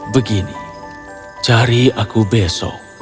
begini cari aku besok